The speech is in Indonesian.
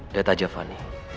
datah aja fani